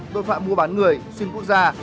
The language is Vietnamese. tội phạm mua bán người xuyên quốc gia